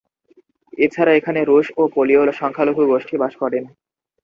এছাড়া এখানে রুশ ও পোলীয় সংখ্যালঘু গোষ্ঠী বাস করেন।